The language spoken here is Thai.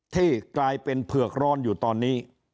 ที่กลายเป็นเผือกร้อนอยู่ตอนนี้